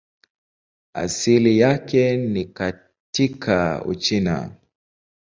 Asili yake ni katika Uchina.